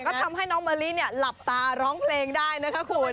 ก็ทำให้น้องเมอรี่เนี่ยหลับตาร้องเพลงได้นะคะคุณผู้ชม